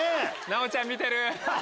奈央ちゃん見てる？